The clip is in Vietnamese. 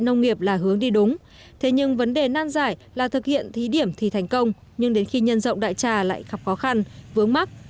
nông nghiệp là hướng đi đúng thế nhưng vấn đề nan giải là thực hiện thí điểm thì thành công nhưng đến khi nhân rộng đại trà lại gặp khó khăn vướng mắt